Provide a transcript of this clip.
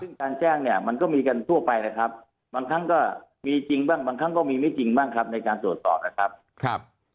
ซึ่งการแจ้งเนี่ยมันก็มีกันทั่วไปนะครับบางครั้งก็มีจริงบ้างบางครั้งก็มีไม่จริงบ้างครับในการตรวจสอบนะครับ